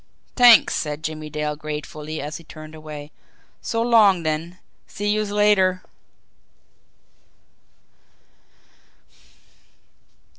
"T'anks!" said Jimmie Dale gratefully, as he turned away. "So long, then see youse later."